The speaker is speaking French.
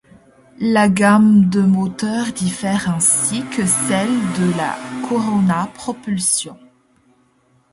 La gamme de moteurs diffère ainsi que celle de la Corona propulsion.